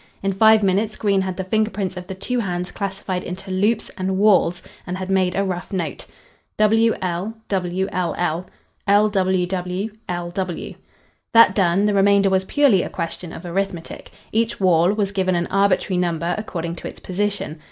In five minutes Green had the finger prints of the two hands classified into "loops" and "whorls" and had made a rough note. "W.L.W.L.L. "L.W.W.L.W." That done, the remainder was purely a question of arithmetic. Each whorl was given an arbitrary number according to its position.